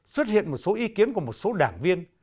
xuất hiện một số ý kiến của một số đảng viên